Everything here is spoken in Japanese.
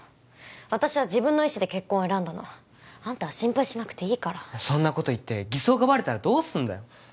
私は自分の意志で結婚を選んだのあんたは心配しなくていいからそんなこと言って偽装がバレたらどうすんだよ